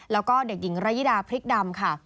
แล้วก็เด็กหญิงระยิดาพริกดำค่ะ